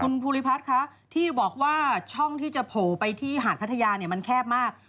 คุณภูริพัฒน์คะที่บอกว่าช่องที่จะโผล่ไปที่หาดพัทยาเนี่ยมันแคบมาก